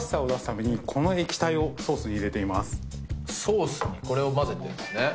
ソースにこれを混ぜてるんすね。